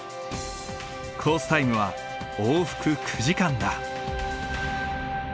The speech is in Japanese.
コースタイムは往復９時間だ。